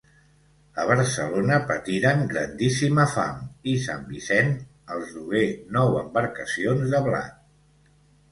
A Barcelona patiren grandíssima fam, i sant Vicent els dugué nou embarcacions de blat.